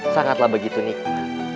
sangatlah begitu nikmat